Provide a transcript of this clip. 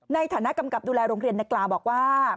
ในฐานะกำกับดูแลโรงเรียนนักกล่าวบอกว่า